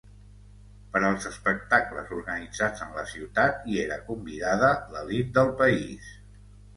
Per als espectacles organitzats en la ciutat hi era convidada l'elit del país.